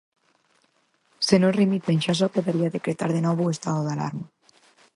Se non remiten, xa só quedaría decretar de novo o estado de alarma.